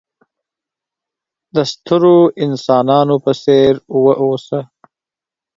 د سترو انسانانو په څېر وه اوسه!